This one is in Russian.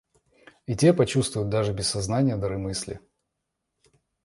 И те почувствуют, даже без сознания, дары мысли.